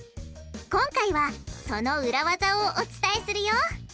今回はそのウラ技をお伝えするよ！